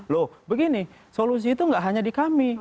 loh begini solusi itu nggak hanya di kami